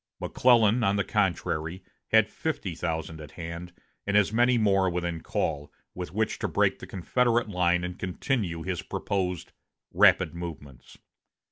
McClellan, on the contrary, had fifty thousand at hand, and as many more within call, with which to break the Confederate line and continue his proposed "rapid movements."